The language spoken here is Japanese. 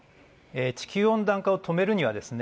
地球温暖化を止めるにはですね